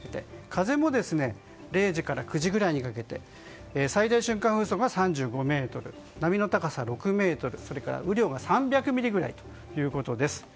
風も０時から９時くらいにかけて最大瞬間風速が３５メートルで波の高さは６ｍそれから雨量が３００ミリくらいということです。